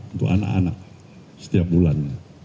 untuk anak anak setiap bulan